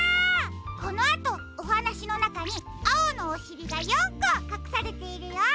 このあとおはなしのなかにあおのおしりが４こかくされているよ。